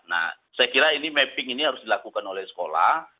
nah saya kira ini mapping ini harus dilakukan oleh sekolah